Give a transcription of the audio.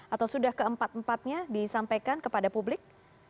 atau sudah keempat empatnya disampaikan kepada publik